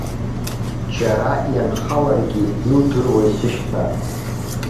Џьара ианхаларгьы иудыруеи сышьҭа.